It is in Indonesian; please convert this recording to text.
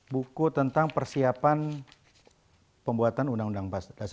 buku tentang persiapan pembuatan undang undang seribu sembilan ratus empat puluh lima